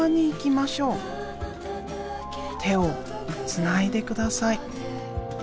てをつないでください」。